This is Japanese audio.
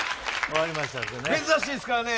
珍しいですからね。